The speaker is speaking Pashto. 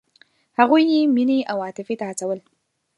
هغوی یې مینې او عاطفې ته هڅول.